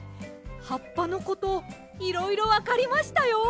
はっぱのこといろいろわかりましたよ。